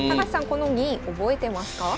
この銀覚えてますか？